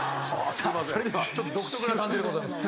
ちょっと独特な感じでございます。